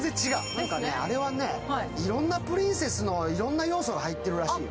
なんかね、あれはね、いろんなプリンスのいろんな要素が入っているらしいよ。